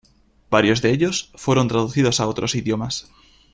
Varios de ellos fueron traducidos a otros idiomas.